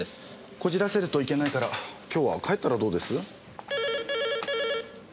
こじらせるといけないから今日は帰ったらどうです？